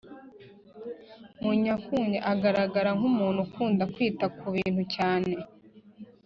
munyankuge agaragara nk’umuntu ukunda kwita ku bintu cyane